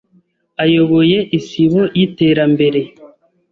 ayoboye Isibo y’Iterambere